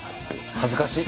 恥ずかしい！